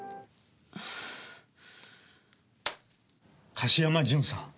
樫山ジュンさん